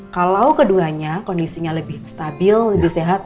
kalau keduanya kondisinya lebih stabil lebih sehat